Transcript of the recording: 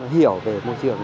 hiểu về môi trường